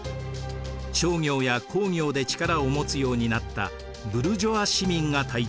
商業や工業で力を持つようになったブルジョア市民が台頭。